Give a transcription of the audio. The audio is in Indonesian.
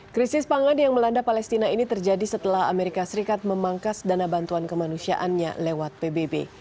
krisis pangan yang melanda palestina ini terjadi setelah amerika serikat memangkas dana bantuan kemanusiaannya lewat pbb